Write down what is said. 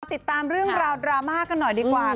ติดตามเรื่องราวดราม่ากันหน่อยดีกว่า